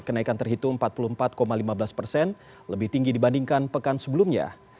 kenaikan terhitung empat puluh empat lima belas persen lebih tinggi dibandingkan pekan sebelumnya